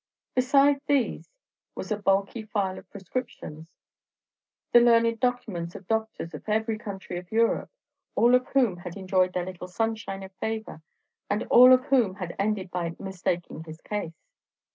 Beside these was a bulky file of prescriptions, the learned documents of doctors of every country of Europe, all of whom had enjoyed their little sunshine of favor, and all of whom had ended by "mistaking his case."